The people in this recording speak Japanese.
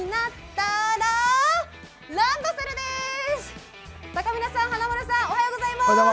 たかみなさん、華丸さんおはようございます。